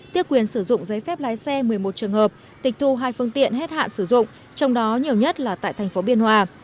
tiêu quyền sử dụng giấy phép lái xe một mươi một trường hợp tịch thu hai phương tiện hết hạn sử dụng trong đó nhiều nhất là tại thành phố biên hòa